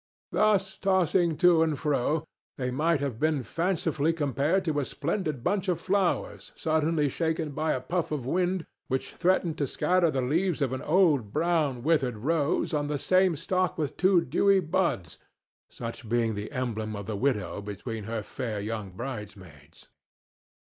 Thus tossing to and fro, they might have been fancifully compared to a splendid bunch of flowers suddenly shaken by a puff of wind which threatened to scatter the leaves of an old brown, withered rose on the same stalk with two dewy buds, such being the emblem of the widow between her fair young bridemaids.